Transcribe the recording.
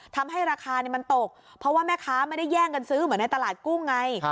ทำให้ราคามันตกเพราะว่าแม่ค้าไม่ได้แย่งกันซื้อเหมือนในตลาดกุ้งไง